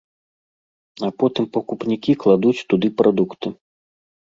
А потым пакупнікі кладуць туды прадукты.